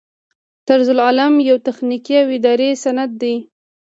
طرزالعمل یو تخنیکي او اداري سند دی.